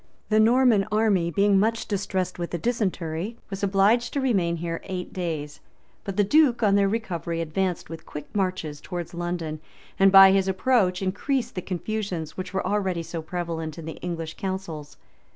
[*] The Norman army, being much distressed with a dysentery, was obliged to remain here eight days; but the duke, on their recovery, advanced with quick marches towards London, and by his approach increased the confusions which were already so prevalent in the English counsels.